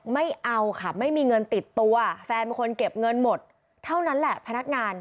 ไม่เอาค่ะไม่มีเงินติดตัวแฟนเป็นคนเก็บเงินหมดเท่านั้นแหละพนักงาน